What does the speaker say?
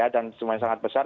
dan jumlah yang sangat besar